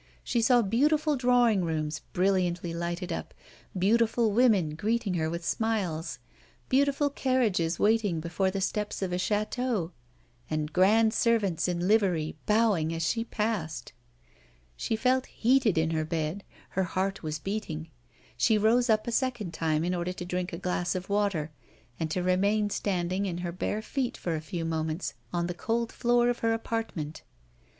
She saw beautiful drawing rooms brilliantly lighted up, beautiful women greeting her with smiles, beautiful carriages waiting before the steps of a château, and grand servants in livery bowing as she passed. She felt heated in her bed; her heart was beating. She rose up a second time in order to drink a glass of water, and to remain standing in her bare feet for a few moments on the cold floor of her apartment.